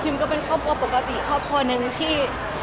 ก็เป็นครอบครัวปกติครอบครัวหนึ่งที่